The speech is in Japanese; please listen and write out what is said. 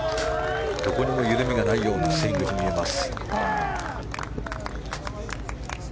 どこにも緩みがないようなスイングに見えます。